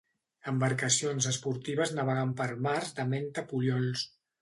Embarcacions esportives navegant per mars de menta poliols.